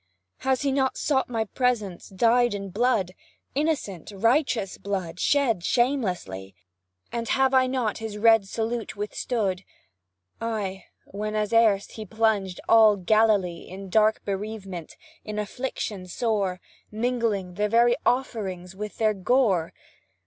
Has he not sought my presence, dyed in blood Innocent, righteous blood, shed shamelessly? And have I not his red salute withstood? Ay, when, as erst, he plunged all Galilee In dark bereavement in affliction sore, Mingling their very offerings with their gore.